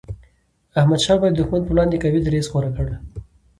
احمد شاه بابا د دښمن پر وړاندي قوي دریځ غوره کړ.